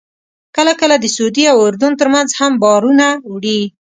کله کله د سعودي او اردن ترمنځ هم بارونه وړي.